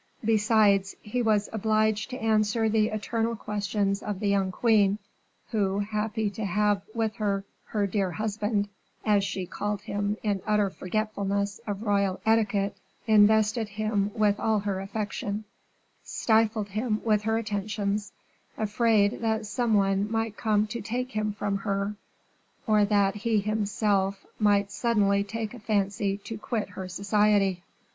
Besides, he was obliged to answer the eternal questions of the young queen, who, happy to have with her "her dear husband," as she called him in utter forgetfulness of royal etiquette, invested him with all her affection, stifled him with her attentions, afraid that some one might come to take him from her, or that he himself might suddenly take a fancy to quit her society.